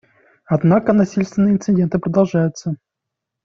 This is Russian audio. Однако насильственные инциденты продолжаются.